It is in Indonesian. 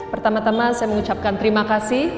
pertama tama saya mengucapkan terima kasih